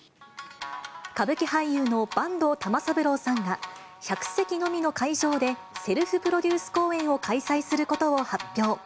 歌舞伎俳優の坂東玉三郎さんが、１００席のみの会場でセルフプロデュース公演を開催することを発表。